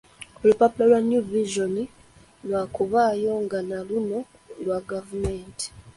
Olupapula lwa New Vision lwakubaayo nga na luno lwa gavumenti.